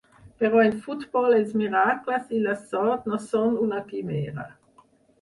Però en futbol els miracles i la sort no són una quimera.